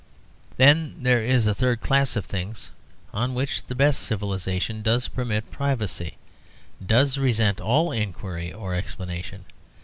Then there is a third class of things on which the best civilisation does permit privacy, does resent all inquiry or explanation.